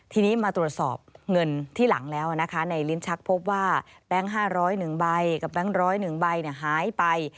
ทีนี้มาตรวจสอบเงินที่หลังแล้วนะคะในลิ้นชักพบว่าแบงค์๕๐๑ใบกับแบงค์๑๐๑ใบหายไป